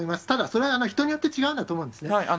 ただ、それは人によって違うんだと思うんですね。